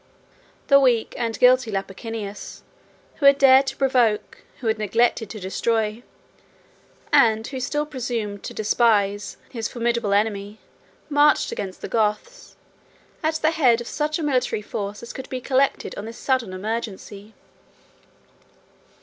71 The weak and guilty Lupicinus, who had dared to provoke, who had neglected to destroy, and who still presumed to despise, his formidable enemy, marched against the Goths, at the head of such a military force as could be collected on this sudden emergency.